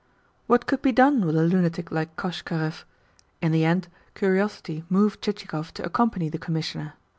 What could be done with a lunatic like Koshkarev? In the end, curiosity moved Chichikov to accompany the Commissioner.